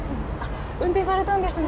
運転されたんですね。